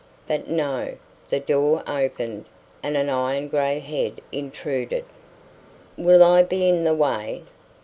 But no. The door opened and an iron gray head intruded. "Will I be in the way?"